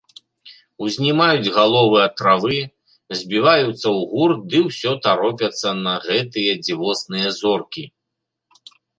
Узнімаюць галовы ад травы, збіваюцца ў гурт ды ўсё таропяцца на гэтыя дзівосныя зоркі.